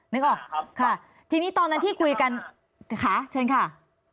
นึกออกค่ะทีนี้ตอนนั้นที่คุยกันค่ะเชิญค่ะ